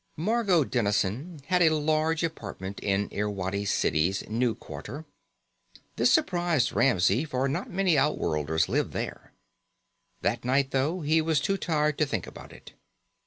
Margot Dennison had a large apartment in Irwadi City's New Quarter. This surprised Ramsey, for not many outworlders lived there. That night, though, he was too tired to think about it.